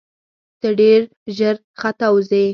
ته ډېر ژر ختاوزې !